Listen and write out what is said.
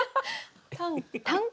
短歌？